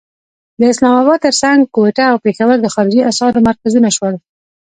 د اسلام اباد تر څنګ کوټه او پېښور د خارجي اسعارو مرکزونه شول.